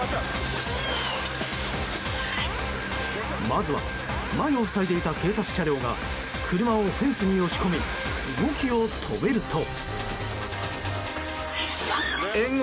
まずは前を塞いでいた警察車両が車をフェンスに押し込み動きを止めると。